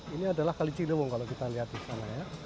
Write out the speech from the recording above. ini adalah kali ciliwung kalau kita lihat di sana ya